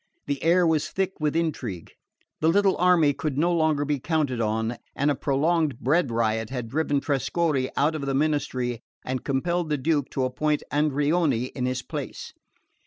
The air was thick with intrigue. The little army could no longer be counted on, and a prolonged bread riot had driven Trescorre out of the ministry and compelled the Duke to appoint Andreoni in his place.